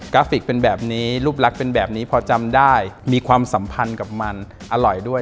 ราฟิกเป็นแบบนี้รูปลักษณ์เป็นแบบนี้พอจำได้มีความสัมพันธ์กับมันอร่อยด้วย